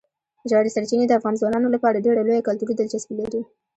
ژورې سرچینې د افغان ځوانانو لپاره ډېره لویه کلتوري دلچسپي لري.